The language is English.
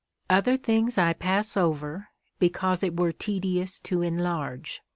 Other things I pass over, because it were tedious to enlarge.